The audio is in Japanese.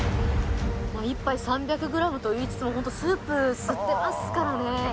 １杯３００ｇといいつつもホントスープ吸ってますからね。